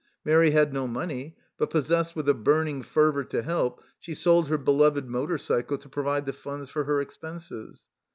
Mairi had no money, but possessed with a burning fervour to help, she sold her beloved motor cycle to provide the funds for her expenses.